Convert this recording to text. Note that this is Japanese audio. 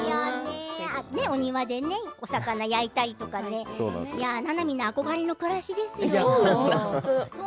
お庭でお魚を焼いたりとか、ななみの憧れの暮らしですよ。